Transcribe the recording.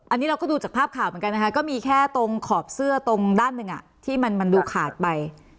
อันนี้เราก็ดูจากภาพข่าวเหมือนกันนะคะก็มีแค่ตรงขอบเสื้อตรงด้านหนึ่งที่มันดูขาดไป